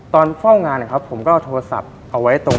ตอนเฝ้างานนะครับผมก็เอาโทรศัพท์เอาไว้ตรง